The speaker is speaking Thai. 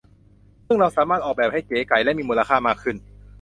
ซึ่งเราสามารถออกแบบให้เก๋ไก๋และมีมูลค่ามากขึ้น